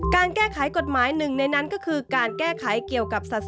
การแก้ไขกฎหมายหนึ่งในนั้นก็คือการแก้ไขเกี่ยวกับศาสนา